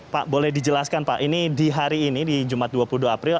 pak boleh dijelaskan pak ini di hari ini di jumat dua puluh dua april